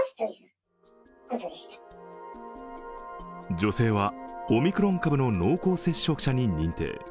女性はオミクロン株の濃厚接触者に認定。